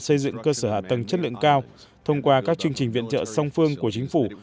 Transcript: xây dựng cơ sở hạ tầng chất lượng cao thông qua các chương trình viện trợ song phương của chính phủ